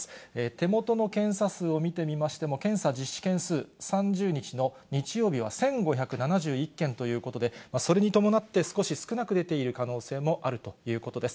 手元の検査数を見てみましても、検査実施件数、３０日の日曜日は１５７１件ということで、それに伴って少し少なく出ている可能性もあるということです。